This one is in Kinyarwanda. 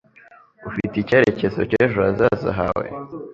Ufite icyerekezo cy'ejo hazaza hawe?